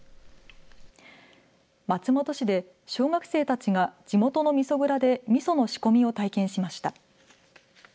松本市で小学生たちが地元のみそ蔵でみその仕込みを体験しました。